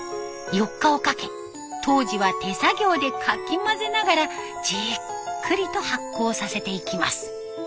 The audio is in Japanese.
４日をかけ当時は手作業でかき混ぜながらじっくりと発酵させていきます。